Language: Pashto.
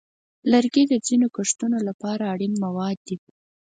لرګي د ځینو کښتو لپاره اړین مواد دي.